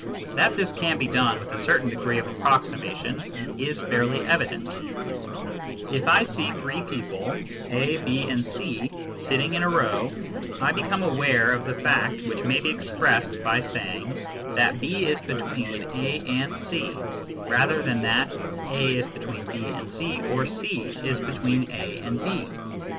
That this can be done with a certain degree of approximation is fairly evident If I see three people A, B, and C sitting in a row, I become aware of the fact which may be expressed by saying that B is be tween A and C rather than that A is between B and C, or C is between A and B.